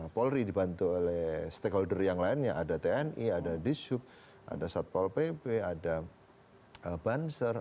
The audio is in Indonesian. polri dibantu oleh stakeholder yang lainnya ada tni ada dishub ada satpol pp ada banser